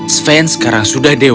sven sekarang sudah dewasa